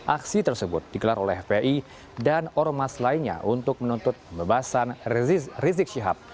aksi tersebut digelar oleh fpi dan ormas lainnya untuk menuntut pembebasan rizik syihab